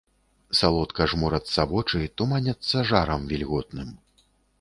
Салодка жмурацца вочы, туманяцца жарам вільготным.